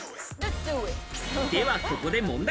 では、ここで問題。